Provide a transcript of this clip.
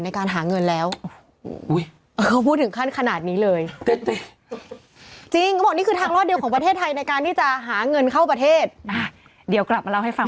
อ้าวอ่าวอะไรแองจิว่ามีคุณหนุ่มกันใช้คนเดียวนั้นที่แสดงละครเก่ง